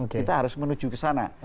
kita harus menuju ke sana